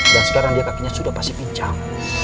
dan sekarang dia kakinya sudah pasti pinjam